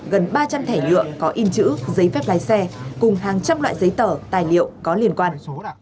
gần ba trăm linh thẻ nhựa có in chữ giấy phép lái xe cùng hàng trăm loại giấy tờ tài liệu có liên quan